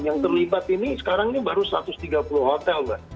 yang terlibat ini sekarang ini baru satu ratus tiga puluh hotel mbak